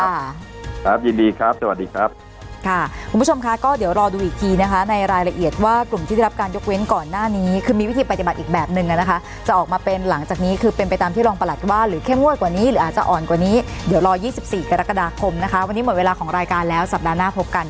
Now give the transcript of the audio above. สวัสดีครับสวัสดีครับค่ะคุณผู้ชมค่ะก็เดี๋ยวรอดูอีกทีนะคะในรายละเอียดว่ากลุ่มที่ได้รับการยกเว้นก่อนหน้านี้คือมีวิธีปฏิบัติอีกแบบนึงนะคะจะออกมาเป็นหลังจากนี้คือเป็นไปตามที่รองประหลัดว่าหรือเข้มงวดกว่านี้หรืออาจจะอ่อนกว่านี้เดี๋ยวรอ๒๔กรกฎาคมนะคะวันนี้หมดเวลาของรายการแล้วสัปดาห์หน้าพบกัน